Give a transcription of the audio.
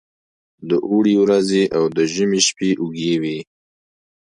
د اوړي ورځې او د ژمي شپې اوږې وي.